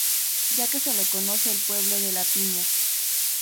Ya que se le conoce el pueblo de la piña.